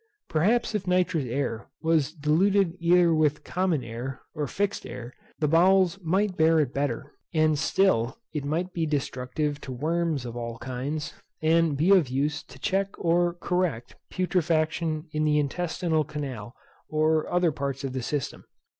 Perhaps if nitrous air was diluted either with common air, or fixed air, the bowels might bear it better, and still it might be destructive to worms of all kinds, and be of use to check or correct putrefaction in the intestinal canal, or other parts of the system.